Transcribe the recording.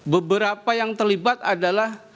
beberapa yang terlibat adalah